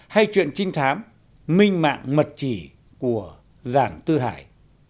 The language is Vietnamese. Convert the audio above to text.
hay chuyện trinh thám minh mạng mật chỉ của giảng tư hải